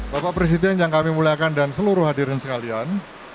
bapak presiden yang kami muliakan dan seluruh hadirin sekalian